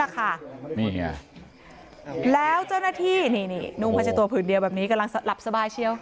ค่ะแล้วเจ้าหน้าที่นี่นุ่งพระชะตัวผืนเดียวแบบนี้กำลังสั้นหลับสบายเปล่า